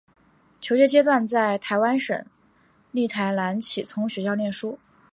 求学阶段都在台湾省立台南启聪学校念书。